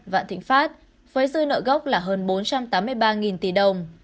vạn thịnh pháp với dư nợ gốc là hơn bốn trăm tám mươi ba tỷ đồng